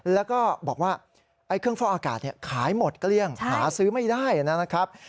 แล้วก็บอกว่าเครื่องฟอกอากาศขายหมดเกลี้ยงหาซื้อไม่ได้นะครับ